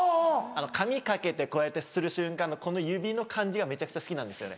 髪かけてこうやってすする瞬間のこの指の感じがめちゃくちゃ好きなんですよね。